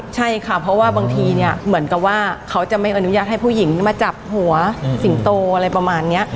ใช่ค่ะเพราะว่าบางทีเนี่ยเหมือนกับว่าเขาจะไม่อนุญาตให้ผู้หญิงมาจับหัวสิงโตอะไรประมาณนี้